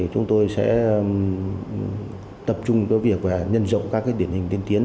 chúng tôi sẽ tập trung việc nhân rộng các điển hình tiên tiến